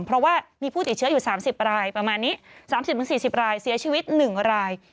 เพราะว่ามีผู้ติดเชื้ออยู่๓๐รายประมาณนี้๓๐๔๐รายเสียชีวิต๑ราย